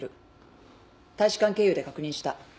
大使館経由で確認した。